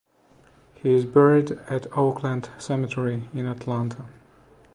He is buried at Oakland Cemetery in Atlanta.